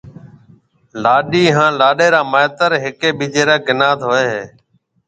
لاڏيَ هانَ لاڏيِ را مائيتر هيَڪيَ ٻِيجيَ ريَ گنَيات هوئي هيَ۔